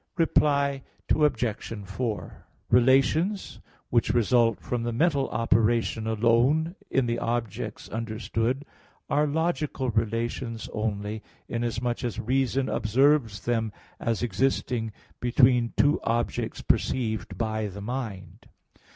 Reply Obj. 4: Relations which result from the mental operation alone in the objects understood are logical relations only, inasmuch as reason observes them as existing between two objects perceived by the mind.